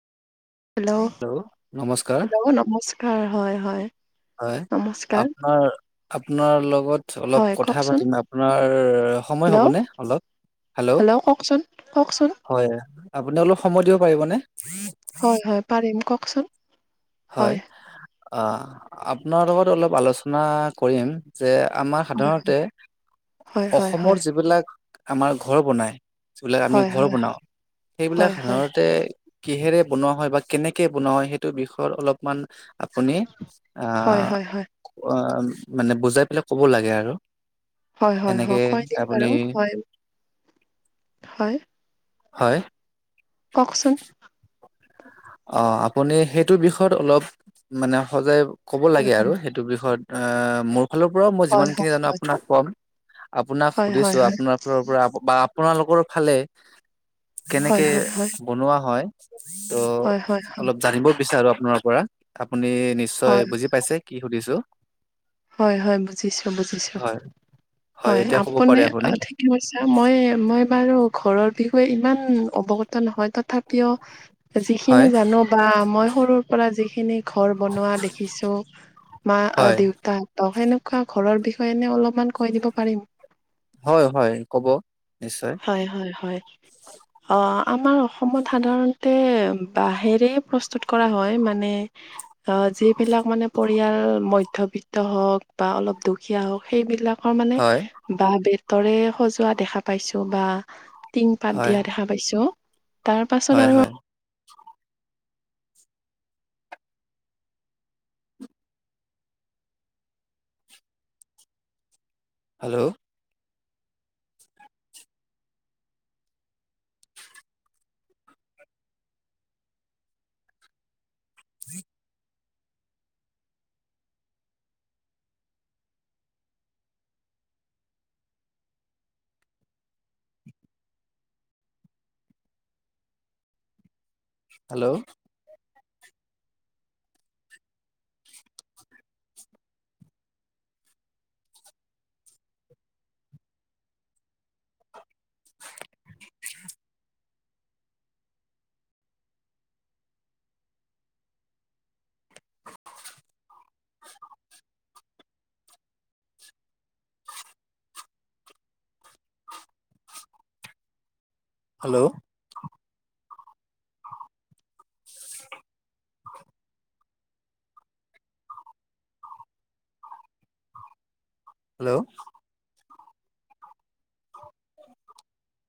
Hello hello নমস্কাৰ হয় হয় হয় নমস্কাৰ আপোনাৰ আপোনাৰ লগত অলপ হয় কথা কওকচোন পাতিম আপোনাৰ সময় হেল্ল' হ'বনে অলপ হেল্ল' কওকচোন কওকচোন হয় আপুনি অলপ সময় দিব পাৰিবনে হয় হয় পাৰিম কওকচোন হয় আপোনাৰ লগত অলপ আলোচনা কৰিম যে আমাৰ সাধাৰণতে হয় হয় অসমৰ হয় যিবিলাক আমাৰ ঘৰ বনাই যিবিলাক আমি হয় ঘৰ হয় বনাওঁ সেইবিলাক হয় হয় সাধাৰণতে কিহেৰে বনোৱা হয় বা কেনেকে বনোৱা হয় সেইটো বিষয়ত অলপমান আপুনি হয় আহ হয় হয় মানে বুজাই পেলাই ক'ব লাগে আৰু হয় হয় সেনেকে হয় কৈ দিম বাৰু আপুনি হয় হয় হয় কওকচোন অ আপুনি সেইটো বিষয়ত অলপ মানে সজাই কব লাগে আৰু সেইটো ইটো বিষয়ত আহ মোৰ ফালৰ পৰাও মই হয় হয় যিমানখিনি জানো হয় আপোনাক কম আপোনাক হয় হয় সুধিছো হয় আপোনাৰ ফালৰ পৰা বা আপোনালোকৰ ফালে হয় হয় কেনেকে হয় বনোৱা হয় হয় হয় ত' অলপ জানিব বিচাৰো আপোনাৰ পৰা আপুনি হয় নিশ্চয় বুজি পাইছে কি সুধিছো হয় হয় বুজিছোঁ বুজিছোঁ হয়, হয় এতিয়া ক'ব আপুনি পাৰে কৈছা মই মই বাৰু ঘৰৰ বিষয়ে ইমান অৱগত নহয় তথাপিও যিখিনি হয়, জানো বা মই সৰুৰ পৰা যিখিনি ঘৰ বনোৱা দেখিছোঁ মা হয়, দেউতাহতক সেনেকুৱা ঘৰৰ বিষয়ে এনে অলপমান কৈ দিব পাৰিম হয়, হয়, ক'ব। হয় হয় হয় হয় আমাৰ অসমত সাধাৰণতে বাঁহেৰেই প্ৰস্তুত কৰা হয় মানে অ যিবিলাক মানে পৰিয়াল মধ্যবিত্ত ওক বা অলপ দুখীয়া হওক সেইবিলাকৰ মানে হয়, বাঁহ বেতৰে সজোৱা দেখা পাইছো বা টিং পাত হয়, দিয়া দেখা পাইছো তাৰ পাছত হয়, আৰু হয়, হেল্ল' স [unintelligible] হেল্ল' [unintelligible] হেল্ল' হেল্ল'